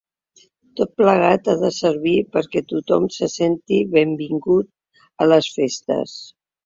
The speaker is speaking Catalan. Tot plegat ha de servir perquè tothom se senti benvingut a les festes.